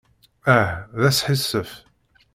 Ah, d asḥissef.